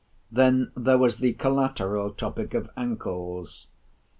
Then there was the collateral topic of ancles.